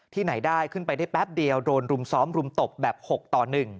ไหนได้ขึ้นไปได้แป๊บเดียวโดนรุมซ้อมรุมตบแบบ๖ต่อ๑